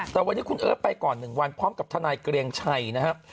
แต่วันนี้คุณเอิร์ทไปก่อน๑วันพร้อมกับทนายเกรียงชัยนะครับ